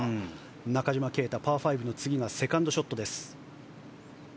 中島啓太、パー５の次がセカンドショットです。